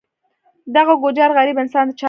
دغه ګوجر غریب انسان د چا دی.